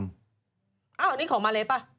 อ้าวนี่ของมาเลป่ะ